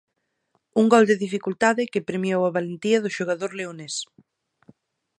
Un gol de dificultade que premiou a valentía do xogador leonés.